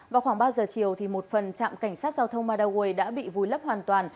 vào khoảng ba giờ chiều một phần trạm cảnh sát giao thông madaway đã bị vùi lấp hoàn toàn